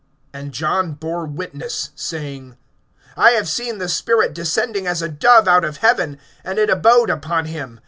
(32)And John bore witness, saying: I have seen the Spirit descending as a dove out of heaven, and it abode upon him.